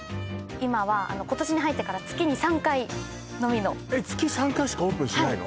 今は今年に入ってから月に３回のみのえっ月３回しかオープンしないの？